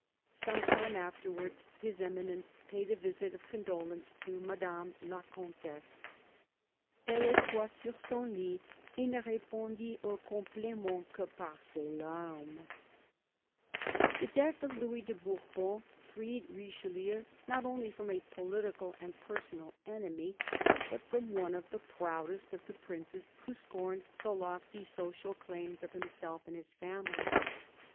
Some time afterwards His Eminence paid a visit of condolence to Madame la Comtesse. " Elle etoit sur son lict, et ne respondit aux complimens que par ses larmes." THE CARDINAL 279 The death of Louis de Bourbon freed Richelieu not only from a political and personal enemy, but from one of the proudest of the princes who scorned the lofty social claims of himself and his family.